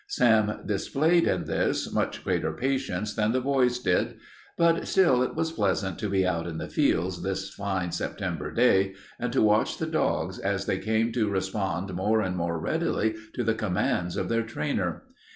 Sam displayed, in this, much greater patience than the boys did, but still it was pleasant to be out in the fields this fine September day and to watch the dogs as they came to respond more and more readily to the commands of their trainer.